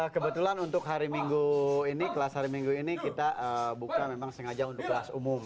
kebetulan untuk hari minggu ini kelas hari minggu ini kita buka memang sengaja untuk kelas umum